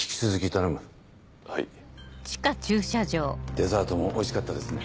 デザートもおいしかったですね。